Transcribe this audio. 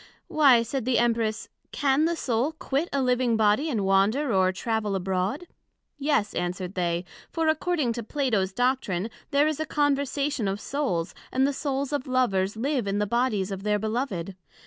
Why, said the Empress, can the Soul quit a living Body, and wander or travel abroad? Yes, answered they, for according to Plato's Doctrine, there is a Conversation of Souls, and the Souls of Lovers live in the Bodies of their Beloved.